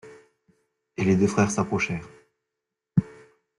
Et les deux frères s'approchèrent.